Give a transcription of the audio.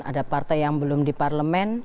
ada partai yang belum di parlemen